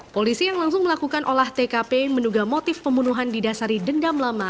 polisi yang langsung melakukan olah tkp menunggu motif pembunuhan di dasari dendam lama